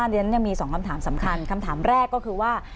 เดี๋ยวนั้นยังมีสองคำถามสำคัญคำถามแรกก็คือว่า